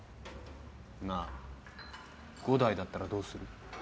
なあ伍代だったらどうする？